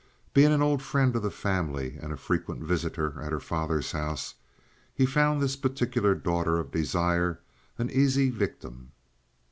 Being an old friend of the family, and a frequent visitor at her father's house, he found this particular daughter of desire an easy victim.